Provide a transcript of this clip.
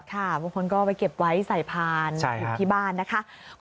ค่ะบางคนก็เอาไปเก็บไว้ใส่ผ่านที่บ้านนะคะ